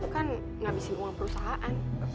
kan ngabisin uang perusahaan